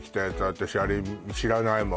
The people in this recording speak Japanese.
私あれ知らないもん